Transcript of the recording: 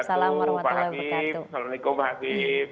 assalamualaikum warahmatullahi wabarakatuh